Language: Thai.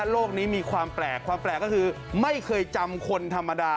โลกนี้มีความแปลกความแปลกก็คือไม่เคยจำคนธรรมดา